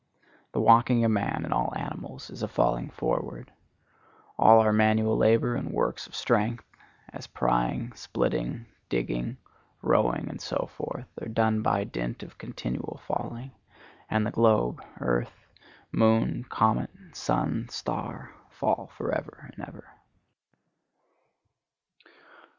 The walking of man and all animals is a falling forward. All our manual labor and works of strength, as prying, splitting, digging, rowing and so forth, are done by dint of continual falling, and the globe, earth, moon, comet, sun, star, fall for ever and ever.